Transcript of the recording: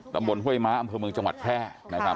บรรบนเฮ้ยม้าอำเภอเมืองจังหวัดแพร่